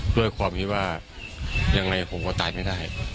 ด้วยความที่ว่ายังไงผมก็ตายไม่ได้